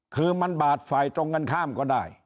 คือมันบาดฝ่ายตรงกันข้ามก็ได้